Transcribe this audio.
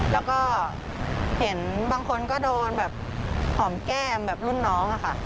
แล้วก็เห็นบางคนก็โดนแบบหอมแก้มแบบรุ่นน้องค่ะ